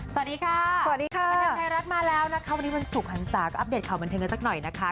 สวัสดีค่ะสวัสดีค่ะบรรทัยรักษ์มาแล้วนะคะวันนี้วันศุกร์ศาสตร์ก็อัปเดตข่าวบรรทัยเงินสักหน่อยนะคะ